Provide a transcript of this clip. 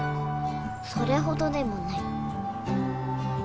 それほどでもない。